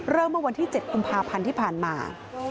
เริ่มมาวันที่๗อุมพาพันธ์ที่ผ่านมา